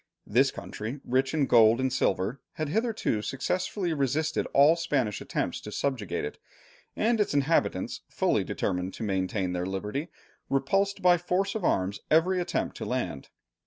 This country, rich in gold and silver, had hitherto successfully resisted all Spanish attempts to subjugate it, and its inhabitants, fully determined to maintain their liberty, repulsed by force of arms every attempt to land.